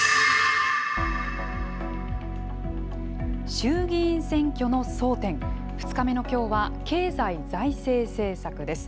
衆議院選挙の争点、２日目のきょうは、経済・財政政策です。